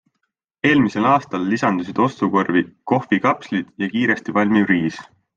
Eelmisel aastal lisandusid ostukorvi kohvikapslid ja kiiresti valmiv riis.